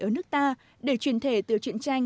ở nước ta để truyền thể từ truyền tranh